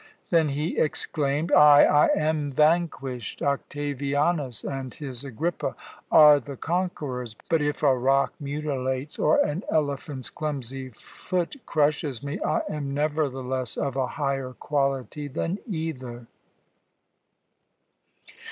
Then he exclaimed: 'Ay, I am vanquished. Octavianus and his Agrippa are the conquerors; but if a rock mutilates or an elephant's clumsy foot crushes me, I am nevertheless of a higher quality than either.'"